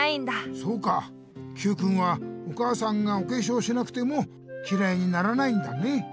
そうかＱくんはお母さんがおけしょうしなくてもきらいにならないんだね。